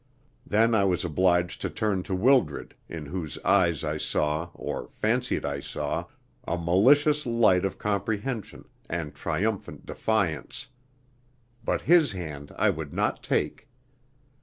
Then I was obliged to turn to Wildred, in whose eyes I saw, or fancied I saw, a malicious light of comprehension and triumphant defiance. But his hand I would not take.